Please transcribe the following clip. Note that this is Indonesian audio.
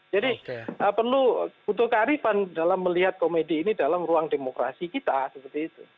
jadi perlu butuh kearifan dalam melihat komedi ini dalam ruang demokrasi kita seperti itu